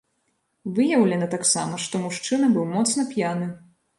Выяўлена таксама, што мужчына быў моцна п'яны.